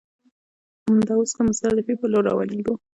همدا اوس د مزدلفې پر لور روانېږو.